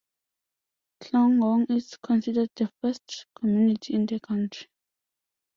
Khlong Yong is considered the first community in the country.